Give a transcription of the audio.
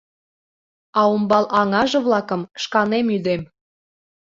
А умбал аҥаже-влакым шканем ӱдем.